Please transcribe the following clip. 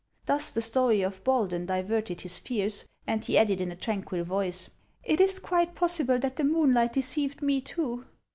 Thus the story of Baldan diverted his fears, and he added in a tranquil voice, " Tt is quite possible that the moonlight deceived me too."